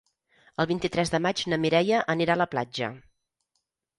El vint-i-tres de maig na Mireia anirà a la platja.